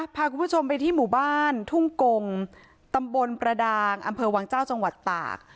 พาคุณผู้ชมไปที่หมู่บ้านทุ่งกงตำบลประดางอำเภอวังเจ้าจังหวัดตาก